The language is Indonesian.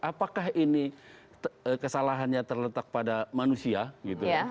apakah ini kesalahannya terletak pada manusia gitu